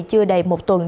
chưa đầy một tuần